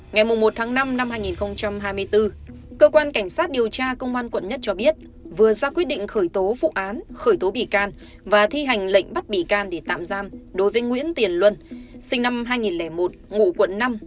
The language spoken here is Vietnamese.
ngày một tháng năm năm hai nghìn hai mươi bốn cơ quan cảnh sát điều tra công an quận một cho biết vừa ra quyết định khởi tố vụ án khởi tố bị can và thi hành lệnh bắt bị can để tạm giam đối với nguyễn tiền luân sinh năm hai nghìn một ngụ quận năm